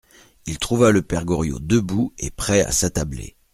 Il trouva le père Goriot debout et prêt à s'attabler.